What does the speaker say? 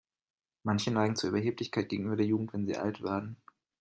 Manche neigen zu Überheblichkeit gegenüber der Jugend, wenn sie alt werden.